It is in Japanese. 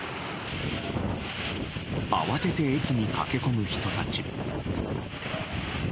慌てて駅に駆け込む人たち。